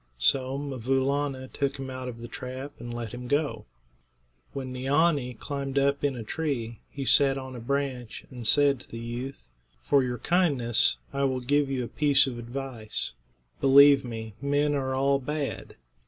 So 'Mvoo Laana took him out of the trap and let him go. When Neeanee had climbed up in a tree, he sat on a branch and said to the youth: "For your kindness I will give you a piece of advice: Believe me, men are all bad.